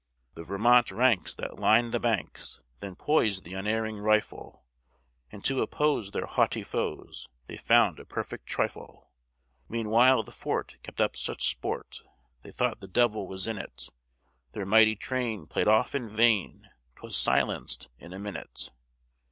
The Vermont ranks that lined the banks, Then poised the unerring rifle, And to oppose their haughty foes They found a perfect trifle. Meanwhile the fort kept up such sport, They thought the devil was in it; Their mighty train play'd off in vain 'Twas silenced in a minute.